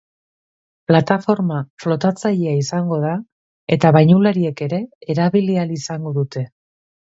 Plataforma flotatzailea izango da, eta bainulariek ere erabili ahal izango dute.